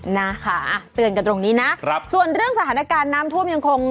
นะคะเตือนกันตรงนี้นะครับส่วนเรื่องสถานการณ์น้ำท่วมยังคง